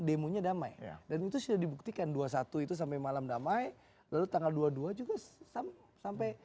demonya damai dan itu sudah dibuktikan dua puluh satu itu sampai malam damai lalu tanggal dua puluh dua juga sampai